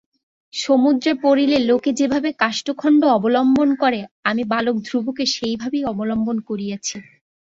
সমুদ্রে পড়িলে লোকে যেভাবে কাষ্ঠখণ্ড অবলম্বন করে আমি বালক ধ্রুবকে সেইভাবে অবলম্বন করিয়াছি।